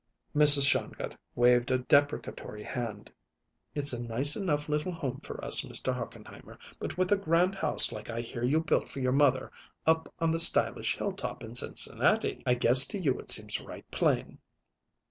Mrs. Shongut waved a deprecatory hand. "It's a nice enough little home for us, Mr. Hochenheimer, but with a grand house like I hear you built for your mother up on the stylish hilltop in Cincinnati, I guess to you it seems right plain."